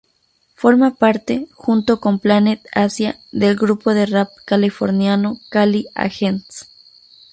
Forma parte, junto con Planet Asia, del grupo de rap californiano Cali Agents.